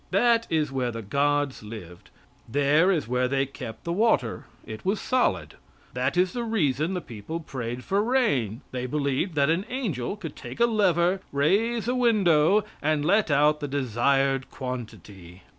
That is where the gods lived. There is where they kept the water. It was solid. That is the reason the people prayed for rain. They believed that an angel could take a lever, raise a window and let out the desired quantity.